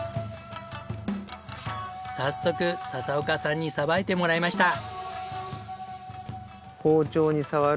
早速笹岡さんにさばいてもらいました。